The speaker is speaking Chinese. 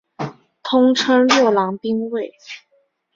通称六郎兵卫。